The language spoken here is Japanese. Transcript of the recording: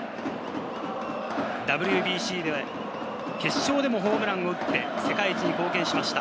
ＷＢＣで決勝でもホームランを打って、世界一に貢献しました。